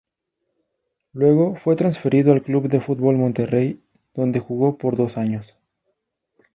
Luego fue transferido al Club de Fútbol Monterrey donde jugó por dos años.